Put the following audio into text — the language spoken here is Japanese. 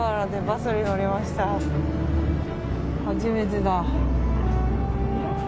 初めてだ。